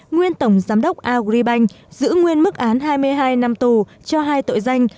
nguyên tổng giám đốc agribank giữ nguyên mức án hai mươi hai năm tù cho hai tội danh